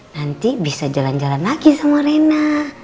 nanti bisa jalan jalan lagi sama rena